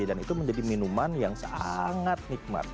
dan itu menjadi minuman yang sangat nikmat